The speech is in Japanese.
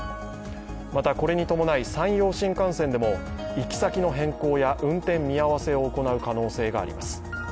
また、これに伴い山陽新幹線でも行き先の変更や運転見合わせを行う可能性があります。